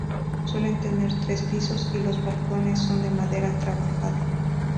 Suelen tener tres pisos y los balcones son de madera trabajada.